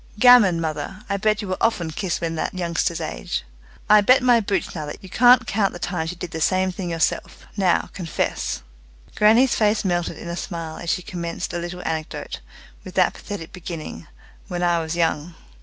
"Gammon, mother! I bet you were often kissed when that youngster's age. I bet my boots now that you can't count the times you did the same thing yourself. Now, confess." Grannie's face melted in a smile as she commenced a little anecdote, with that pathetic beginning, "When I was young."